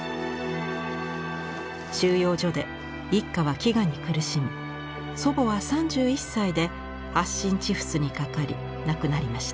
収容所で一家は飢餓に苦しみ祖母は３１歳で発疹チフスにかかり亡くなりました。